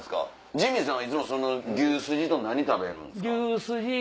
ジミーさんはいつも牛すじと何食べるんすか？